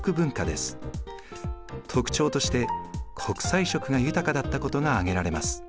特徴として国際色が豊かだったことが挙げられます。